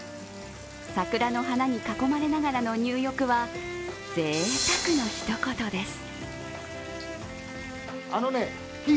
桜の花に囲まれながらの入浴は、ぜいたくの一言です。